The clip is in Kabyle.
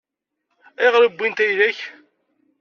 Ayɣer i wwint ayla-k?